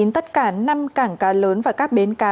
tất cả năm cảng cá lớn và các bến cá